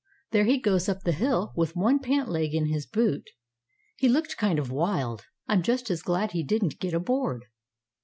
There he goes up the hill, with one pant leg in his boot. He looked kind of wild. I'm just as glad he didn't get aboard!"